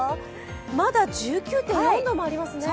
まだ１９．４度もありますね。